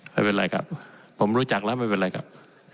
ไม่เป็นไรครับผมรู้จักแล้วไม่เป็นไรครับ